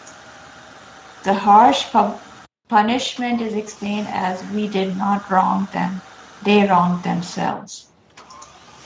The harsh punishment is explained as We did not wrong them; they wronged themselves.